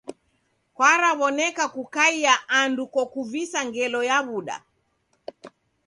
Kwaraw'oneka kukaia andu kokuvisa ngelo ya w'uda.